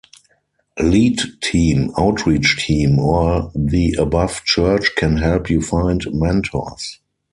Lead team, outreach team, or the above church can help you find mentors.